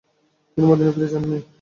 তিনি মদিনায় ফিরে যান নি।